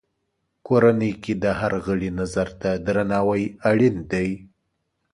کورنۍ کې د هر غړي نظر ته درناوی اړین دی.